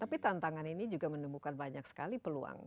tapi tantangan ini juga menemukan banyak sekali peluang